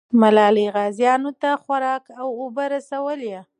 ملالۍ غازیانو ته خوراک او اوبه رسولې.